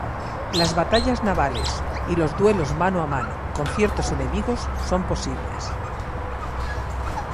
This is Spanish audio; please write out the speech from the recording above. Las Batallas navales y los duelos mano-a-mano con ciertos enemigos son posibles.